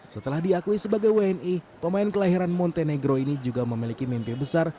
setelah diakui sebagai wni pemain kelahiran montenegro ini juga memiliki mimpi besar